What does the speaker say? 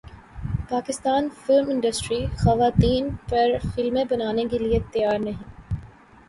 Pakistan film industry خواتین پر فلمیں بنانے کیلئے تیار نہیں